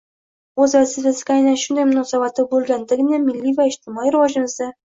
O‘z vazifasiga aynan shunday munosabatda bo‘lgandagina milliy va ijtimoiy rivojimizda